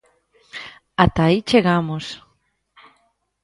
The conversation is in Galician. ¡Ata aí chegamos!